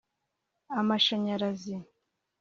amashanyarazi